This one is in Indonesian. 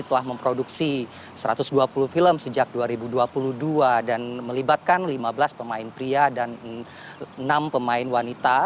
telah memproduksi satu ratus dua puluh film sejak dua ribu dua puluh dua dan melibatkan lima belas pemain pria dan enam pemain wanita